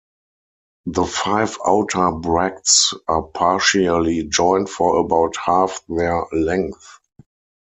The five outer bracts are partially joined for about half their length.